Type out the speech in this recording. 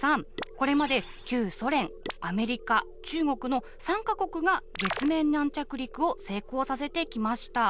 これまで旧ソ連アメリカ中国の３か国が月面軟着陸を成功させてきました。